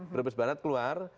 brebes barat keluar